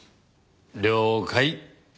了解！